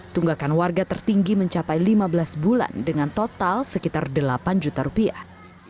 tunggakan warga tertinggi mencapai lima belas bulan dengan total sekitar delapan juta rupiah